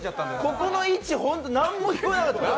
ここの位置、ホント何も聞こえなかったです。